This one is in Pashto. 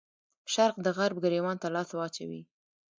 شرق د غرب ګرېوان ته لاس واچوي.